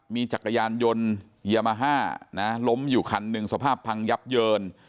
มีจักรยานยนต์ยามาฮ่าล้มอยู่คันหนึ่งสภาพพังยับเยิน